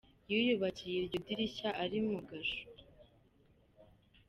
Yiyubakiye iryo dirisha ari mu gasho.